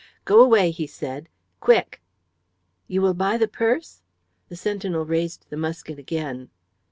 "Go away," he said, "quick!" "You will buy the purse?" The sentinel raised his musket again.